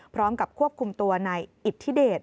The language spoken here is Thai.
พร้อมกับควบคุมตัวนายอิทธิเดช